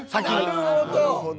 なるほど。